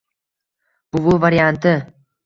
“Buvi” varianti.